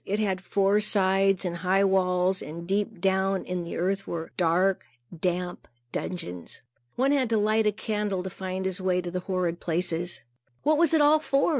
It had four sides and high walls, and deep down in the earth were dark, damp dungeons. One had to light a candle to find his way to the horrid places. What was it all for?